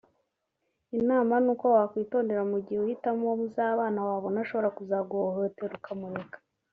inama nuko wakwitonda mu gihe uhitamo uwo muzabana wabona ashobora kuzaguhohotera ukamureka